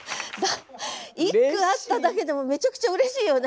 １句あっただけでもめちゃくちゃうれしいよね？